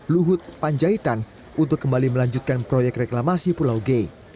luhut panjaitan untuk kembali melanjutkan proyek reklamasi pulau g